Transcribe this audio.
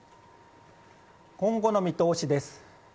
今後の見通しです。